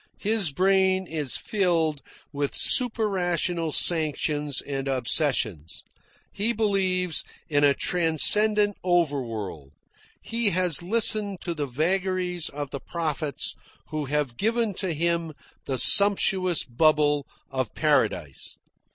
His brain is filled with superrational sanctions and obsessions. He believes in a transcendent over world. He has listened to the vagaries of the prophets, who have given to him the sumptuous bubble of Paradise.